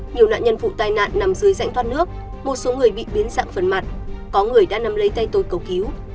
nhiều nạn nhân vụ tai nạn nằm dưới rãnh thoát nước một số người bị biến dạng phần mặt có người đã năm lấy tay tôi cầu cứu